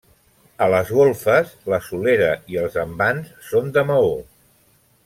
A les golfes la solera i els envans són de maó.